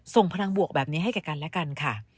ส่งพลังบวกแบบนี้ให้แก่กันและกันค่ะ